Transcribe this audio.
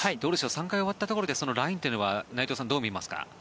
３回目終わったところでそのラインは内藤さん、どう見ますか。